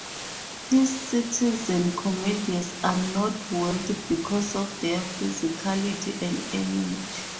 His citizen comedies are noteworthy because of their physicality and energy.